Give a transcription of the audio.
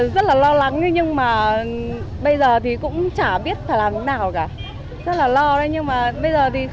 rất là lo đây nhưng mà bây giờ thì không ăn không được vẫn phải ăn thôi